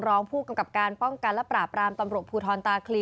รองผู้กำกับการป้องกันและปราบรามตำรวจภูทรตาคลี